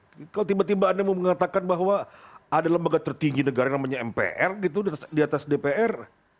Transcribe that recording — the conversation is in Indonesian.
kalau tiba tiba anda mau mengatakan bahwa ada lembaga tertinggi negara yang namanya mpr gitu di atas dpr